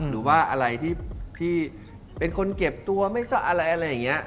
หรือว่าอะไรที่พี่เป็นคนเก็บตัวไม่ซะอะไรอย่างนี้